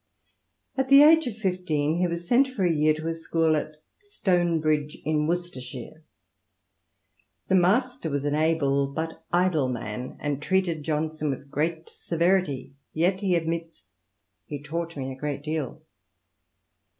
* At the age of fifteen he was sent for a year to a school at Stonebridge in Worcestershire. The master was an able but idle man, and treated Johnson with great severity, yet, he admits, " he taught me a great deal."